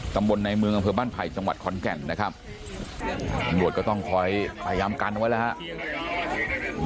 ตำบลในเมืองอำเภอบ้านไผ่จังหวัดขอนแก่นนะครับตำรวจก็ต้องคอยพยายามกันไว้แล้วครับ